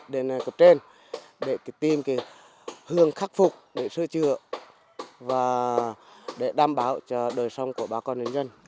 đến cập trên để tìm cái hương khắc phục để sửa chữa và để đảm bảo cho đời sông của bà con đến dân